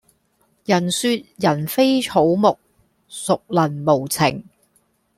人說人非草木，孰能無情